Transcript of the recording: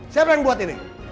siapa yang buat ini